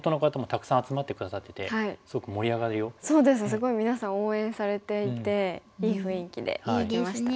すごい皆さん応援されていていい雰囲気でできましたね。